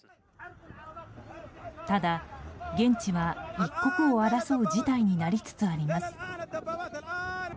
ただ現地は、一刻を争う事態になりつつあります。